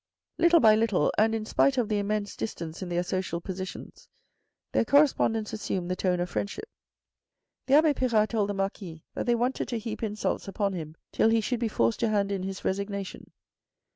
Little by little, and in spite of the immense distance in their social positions, their correspondence assumed the tone of friendship. The abbe Pirard told the Marquis that they wanted to heap insults upon him till he should be forced to hand in his resignation.